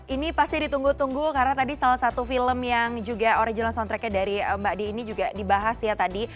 ini pasti ditunggu tunggu karena tadi salah satu film yang juga original soundtrack nya dari mbak di ini juga dibahas ya tadi